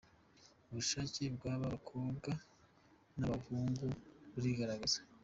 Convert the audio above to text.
Ubushake bw’aba bakobwa n’aba bahungu burigaragaza.